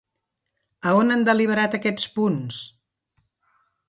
A on han deliberat aquests punts?